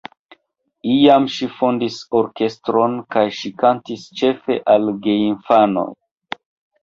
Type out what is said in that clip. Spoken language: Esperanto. Iam ŝi fondis orkestron kaj ŝi kantas ĉefe al geinfanoj.